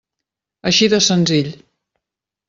Així de senzill.